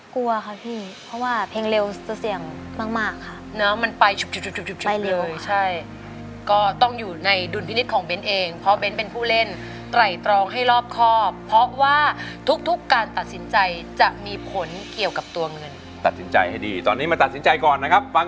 กลัวครับพี่เพราะว่าเพลงเร็วจะเสี่ยงมากค่ะ